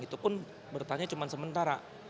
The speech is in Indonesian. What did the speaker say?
itu pun bertanya cuma sementara